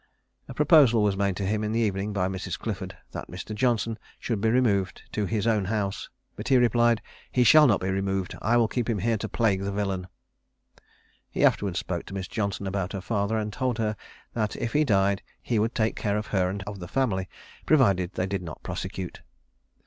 A proposal was made to him in the evening by Mrs. Clifford, that Mr. Johnson should be removed to his own house; but he replied, "He shall not be removed; I will keep him here to plague the villain." He afterwards spoke to Miss Johnson about her father, and told her that if he died, he would take care of her and of the family, provided they did not prosecute.